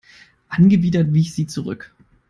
Angewidert wich sie zurück.